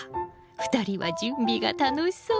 ２人は準備が楽しそう。